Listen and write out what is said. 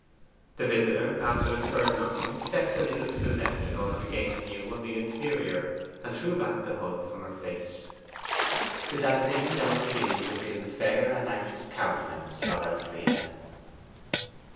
The visitor, after the third knocking, stepped a little to the left in order to gain a view of the interior, and threw back the hood from her face. The dancing yellow sheen revealed the fair and anxious countenance of Elfride.